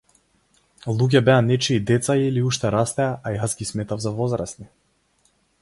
Луѓе беа нечии деца или уште растеа, а јас ги сметав за возрасни.